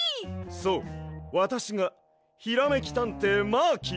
そうわたしがひらめきたんていマーキーです。